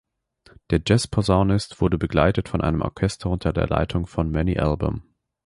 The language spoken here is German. Der Jazzposaunist wurde begleitet von einem Orchester unter der Leitung von Manny Albam.